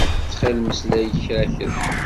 Ttxil mmeslay kra kra.